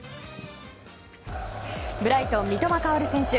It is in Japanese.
ブライトン、三笘薫選手。